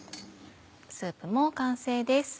スープも完成です。